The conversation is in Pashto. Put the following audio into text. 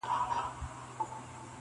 حیوانان یې پلټل په سمه غره کي-